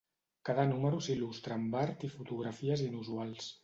Cada número s'il·lustra amb art i fotografies inusuals.